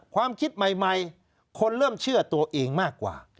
ความคิดใหม่คนเริ่มเชื่อตัวเองมากกว่า